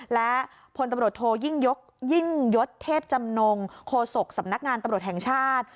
และพลตำรวจโทยิ่งยกยิ่งยศเทพจำนงโฆษกสำนักงานตำรวจแห่งชาติ